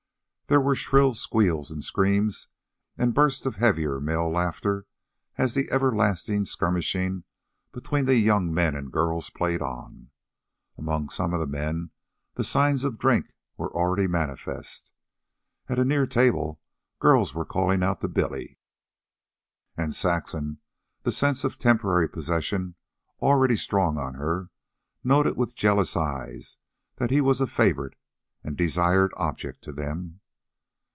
There were shrill squeals and screams and bursts of heavier male laughter as the everlasting skirmishing between the young men and girls played on. Among some of the men the signs of drink were already manifest. At a near table girls were calling out to Billy. And Saxon, the sense of temporary possession already strong on her, noted with jealous eyes that he was a favorite and desired object to them.